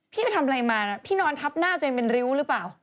ไปทำอะไรมาพี่นอนทับหน้าตัวเองเป็นริ้วหรือเปล่า